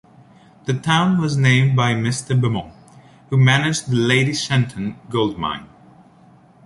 The town was named by Mr Beaumont, who managed the Lady Shenton gold mine.